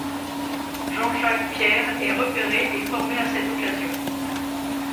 Jean-Jacques Pierre est repéré et formé à cette occasion.